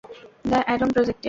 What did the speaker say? The Adam প্রজেক্টে।